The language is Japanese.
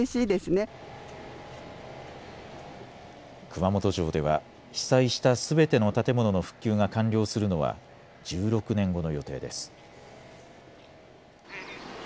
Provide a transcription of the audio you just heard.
熊本城では被災したすべての建物の復旧が完了するのは１６年後の予定です。